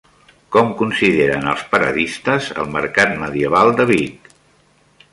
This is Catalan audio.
Com consideren els paradistes el Mercat Medieval de Vic?